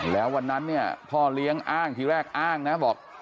แล้ววันนั้นเนี่ยพ่อเลี้ยงอ้างทีแรกอ้างนะบอก